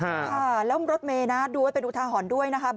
ค่ะแล้วรถเมย์นะดูไว้เป็นอุทาหรณ์ด้วยนะครับ